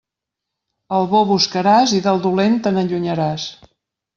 Al bo buscaràs i del dolent te n'allunyaràs.